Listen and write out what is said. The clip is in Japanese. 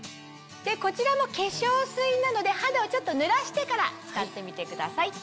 こちらも化粧水などで肌をちょっと濡らしてから使ってみてください。